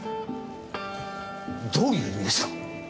どういう意味ですか？